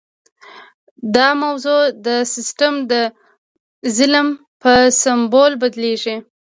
دا موضوع د سیستم د ظلم په سمبول بدلیږي.